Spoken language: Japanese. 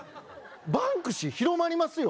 バンクシー広まりますよ。